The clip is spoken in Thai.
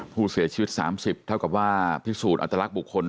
ผู้เสียชีวิต๓๐เท่ากับว่าพิสูจน์อัตลักษณ์บุคคล